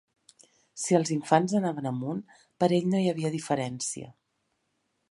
Si els infants anaven amunt, per ell no hi havia diferencia